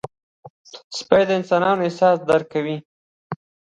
سپي د انسانانو احساس درک کوي.